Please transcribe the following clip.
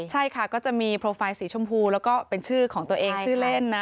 ใช่ค่ะก็จะมีโปรไฟล์สีชมพูแล้วก็เป็นชื่อของตัวเองชื่อเล่นนะ